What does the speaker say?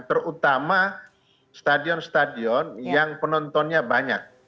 terutama stadion stadion yang penontonnya banyak